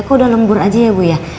kok udah lembur aja ya bu ya